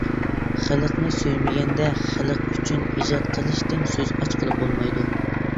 خەلقنى سۆيمىگەندە، خەلق ئۈچۈن ئىجاد قىلىشتىن سۆز ئاچقىلى بولمايدۇ.